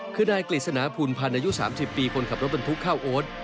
คือนายกฤษณาภูลพันธ์อายุ๓๐ปีคนขับรถบรรทุกข้าวโอ๊ต